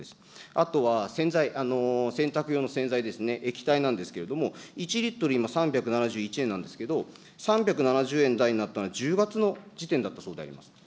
あとは洗剤、洗濯用の洗剤ですね、液体なんですけれども、１リットル今３７１円なんですけれども、３７０円台になったのは１０月の時点だったそうであります。